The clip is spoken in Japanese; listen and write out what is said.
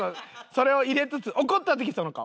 それを入れつつ怒った時その顔。